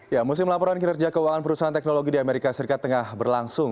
ya musim laporan kinerja keuangan perusahaan teknologi di amerika serikat tengah berlangsung